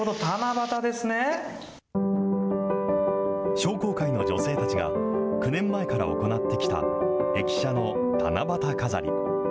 商工会の女性たちが、９年前から行ってきた駅舎の七夕飾り。